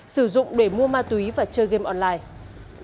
sử dụng để mua ma túy và chơi game online